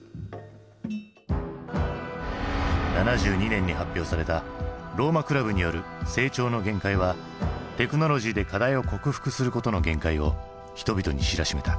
７２年に発表されたローマ・クラブによる「成長の限界」はテクノロジーで課題を克服することの限界を人々に知らしめた。